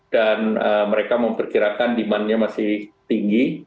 dan mereka memperkirakan demandnya masih tinggi